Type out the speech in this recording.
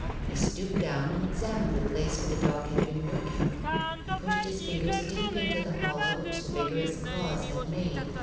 He stooped down and examined the place where the dog had been working. He pushed his fingers deep into the hollow which the vigorous claws had made.